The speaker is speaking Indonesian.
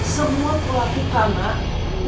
semua telah dipanah